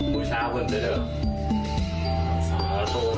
บูช้าเหมือนเธอเดิม